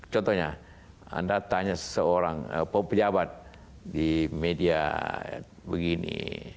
contohnya anda tanya seorang pejabat di media begini